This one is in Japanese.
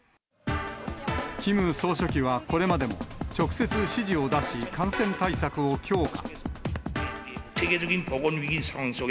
キム総書記はこれまでも、直接指示を出し、感染対策を強化。